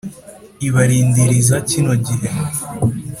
Ibarindiriza kino gihe